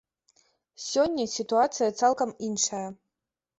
Сёння сітуацыя цалкам іншая.